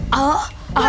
kau di bawah memet